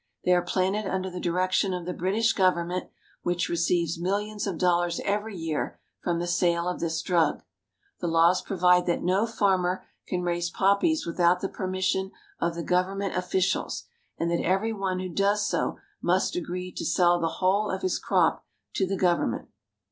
They are planted under the direction of the British government, which receives millions of dollars every year from the sale of this drug. The laws provide that no farmer can raise poppies without the permission of the government officials, and that every one who does so must agree to sell the whole of his crop to the gov ernment.